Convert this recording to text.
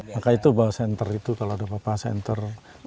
maka itu bahwa senter itu kalau ada bapak senter